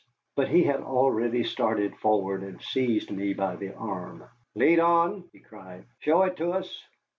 But he had already started forward and seized me by the arm. "Lead on," he cried, "show it to us."